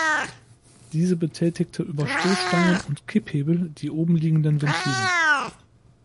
Diese betätigte über Stoßstangen und Kipphebel die obenliegenden Ventile.